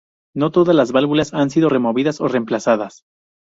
No todas estas válvulas han sido removidas o reemplazadas.